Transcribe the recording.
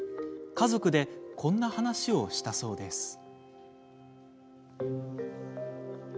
家族でこんな話をしたそうです。